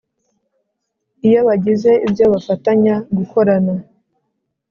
iyo bagize ibyo bafatanya gukorana